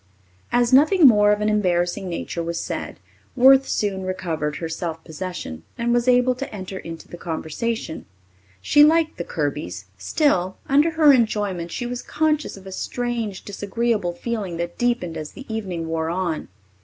As nothing more of an embarrassing nature was said, Worth soon recovered her self possession and was able to enter into the conversation. She liked the Kirbys; still, under her enjoyment, she was conscious of a strange, disagreeable feeling that deepened as the evening wore on.